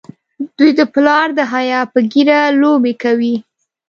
دوی د پلار د حیا په ږیره لوبې کوي.